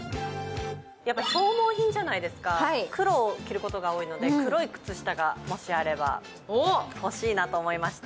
消耗品じゃないですか、黒を着ることが多いので、黒い靴下があれば欲しいなと思いまして。